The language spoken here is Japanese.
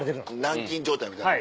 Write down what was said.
軟禁状態みたいなもんや。